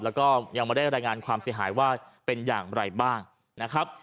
แล้วก็ยังไม่ได้รายงานความเสียหายว่าเป็นอย่างไรบ้างนะครับ